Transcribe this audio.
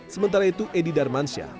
sementara itu edy darmansyah